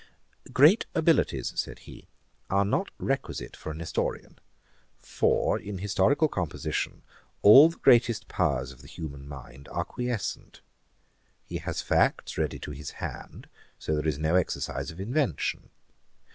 ] 'Great abilities (said he) are not requisite for an Historian; for in historical composition, all the greatest powers of the human mind are quiescent. He has facts ready to his hand; so there is no exercise of invention.